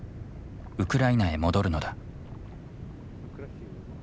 ウクライナへ戻るのだ。